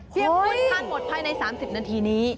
เพียงพูดทั้งหมดภายใน๓๐นาทีนี้